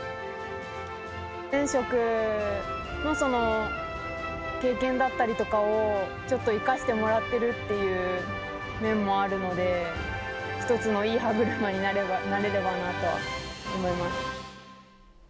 前職のその経験だったりとかをちょっと生かしてもらってるっていう面もあるので、一つのいい歯車になれればなとは思います。